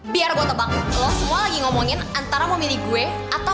biar gue tebak lo semua lagi ngomongin antara mau milih gue atau